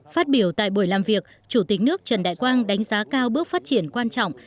phát biểu tại buổi làm việc chủ tịch nước trần đại quang đánh giá cao bước phát triển quan trọng